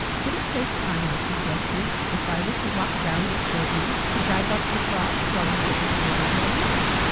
"Would it save time," I suggested, "if I were to walk round with Sylvie, to drive up the Frogs, while you get the Theatre ready?"